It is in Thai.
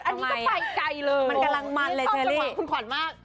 อันนี้ก็ไปไกลเลยโอ้โฮไม่ต้องจังหวังคุณขวัญมากมันกำลังมันเลยเชลลี่